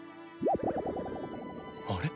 あれ？